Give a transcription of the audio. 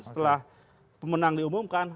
setelah pemenang diumumkan